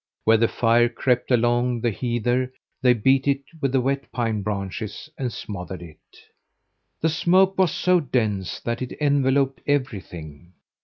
Where the fire crept along the heather, they beat it with the wet pine branches and smothered it. The smoke was so dense that it enveloped everything.